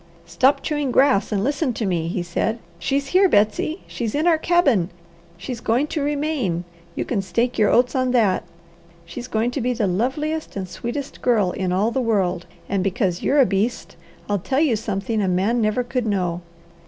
"Stop chewing grass and listen to me," he said. "She's here, Betsy! She's in our cabin. She's going to remain, you can stake your oats on that. She's going to be the loveliest and sweetest girl in all the world, and because you're a beast, I'll tell you something a man never could know.